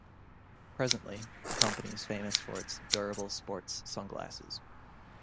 Presently, the company is famous for its durable sports sunglasses.